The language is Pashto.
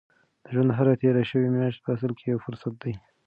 د ژوند هره تېره شوې میاشت په اصل کې یو فرصت دی.